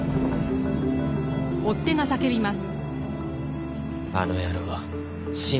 追っ手が叫びます。